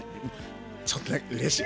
ちょっとうれしい！